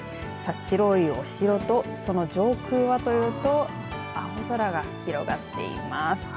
白いお城とその上空はというと青空が広がっています。